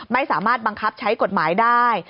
ไม่สามารถบังคับใช้กฎหมายได้